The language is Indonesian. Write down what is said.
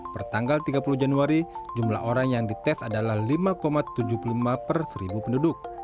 pertanggal tiga puluh januari jumlah orang yang dites adalah lima tujuh puluh lima per seribu penduduk